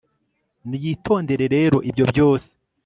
niyitondere rero ibyo byose